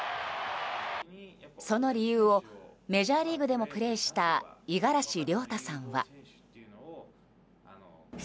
その理由をメジャーリーグでもプレーした五十嵐亮太さんは。